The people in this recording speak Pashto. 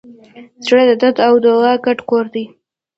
زړه د درد او دوا ګډ کور دی.